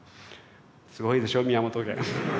すごいでしょ宮本家。